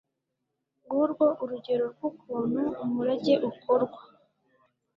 ngurwo urugero rw'ukuntu umurage ukorwa